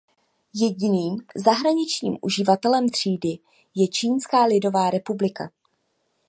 Jediným zahraničním uživatelem třídy je Čínská lidová republika.